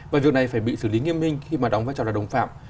và việc này phải bị xử lý nghiêm minh khi mà đóng vai trò là đồng phạm